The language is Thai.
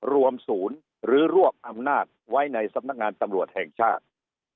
รวมศูนย์หรือรวบอำนาจไว้ในสำนักงานตำรวจแห่งชาติ